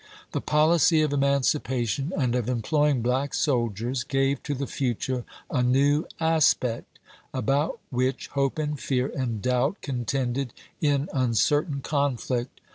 The policy of emancipation and of employing black soldiers gave to the future a new aspect, about which hope and fear and doubt contended in uncertain conflict.